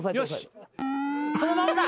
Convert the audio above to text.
そのままだ。